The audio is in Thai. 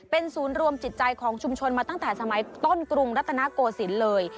เป็นศูนย์รวมจิตใจของชุมชนมาตั้งแต่สมัยต้นกรุงรัตนโกศิลป์เลย